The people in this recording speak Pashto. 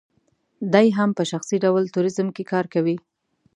دی هم په شخصي ډول ټوریزم کې کار کوي.